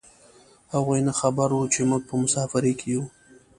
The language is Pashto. هغوی نه خبر و چې موږ په مسافرۍ کې یو.